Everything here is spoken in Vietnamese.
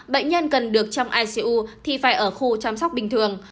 bệnh nhân cần được chăm icu thì phải ở khu chăm sóc bình thường